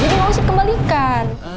jadi gak usah kembalikan